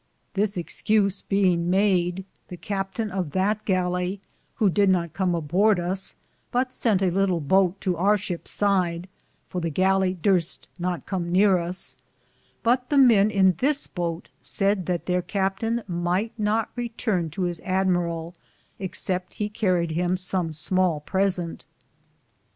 49 This excuse beinge made, the captaine of that gallie, who did not com a horde us, but sente a litle boate to our ship sid, for the gallie durste not com neare us, but the men in this boate sad that their captaine myghte not returne to his amberall excepte he carried him som smale pre sente.